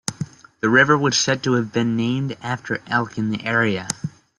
The river was said to have been named after elk in the area.